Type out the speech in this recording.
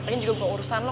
ini juga bukan urusan lo